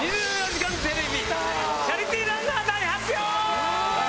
２４時間テレビチャリティーランナー大発表！